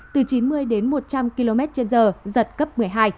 từ chín mươi đến một trăm linh km trên giờ giật cấp một mươi hai